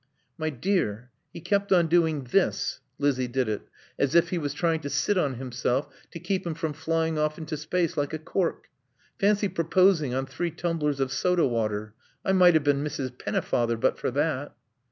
"My dear, he kept on doing this" (Lizzie did it) "as if he was trying to sit on himself to keep him from flying off into space like a cork. Fancy proposing on three tumblers of soda water! I might have been Mrs. Pennefather but for that."